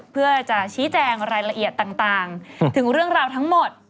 เพื่อจะชี้แจงรายละเอียดต่างถึงเรื่องราวทั้งหมด